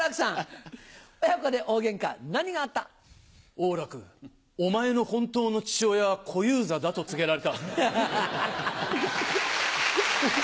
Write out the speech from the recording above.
「王楽お前の本当の父親は小遊三だ」と告げられた。